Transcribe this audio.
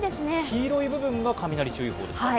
黄色い部分が雷注意報ですか。